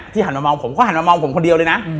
หันมามองผมก็หันมามองผมคนเดียวเลยนะ